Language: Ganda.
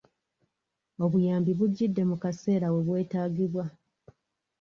Obuyambi bujjidde mu kaseera we bwetagibwa.